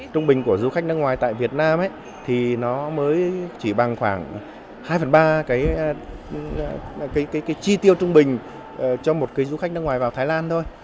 trung bình của du khách nước ngoài tại việt nam thì nó mới chỉ bằng khoảng hai phần ba cái chi tiêu trung bình cho một cái du khách nước ngoài vào thái lan thôi